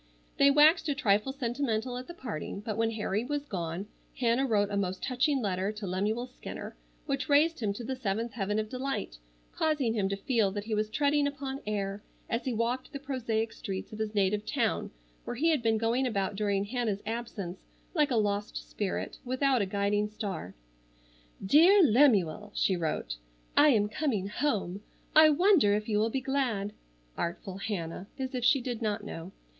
They waxed a trifle sentimental at the parting, but when Harry was gone, Hannah wrote a most touching letter to Lemuel Skinner which raised him to the seventh heaven of delight, causing him to feel that he was treading upon air as he walked the prosaic streets of his native town where he had been going about during Hannah's absence like a lost spirit without a guiding star. "DEAR LEMUEL:" she wrote:— "I am coming home. I wonder if you will be glad? (Artful Hannah, as if she did not know!)